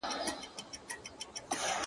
• نور به شاعره زه ته چوپ ووسو.